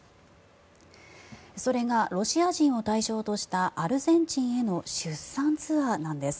それがロシア人を対象としたアルゼンチンへの出産ツアーなんです。